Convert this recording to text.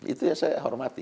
itu yang saya hormati